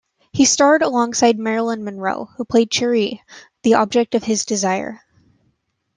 He starred alongside Marilyn Monroe, who played Cherie, the object of his desire.